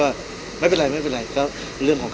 พี่อัดมาสองวันไม่มีใครรู้หรอก